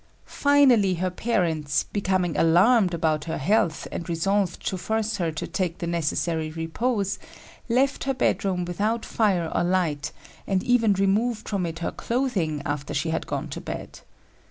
Finally her parents, becoming alarmed about her health and resolved to force her to take the necessary repose, left her bedroom without fire or light, and even removed from it her clothing after she had gone to bed.